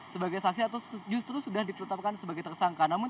sebagai saksi atau justru sudah ditetapkan sebagai tersangka